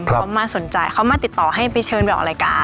เขามาสนใจเขามาติดต่อให้ไปเชิญไปออกรายการ